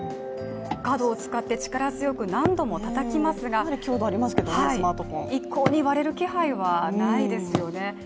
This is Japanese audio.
角を使って何度も力強くたたきますが、一向に割れる気配はないですよね。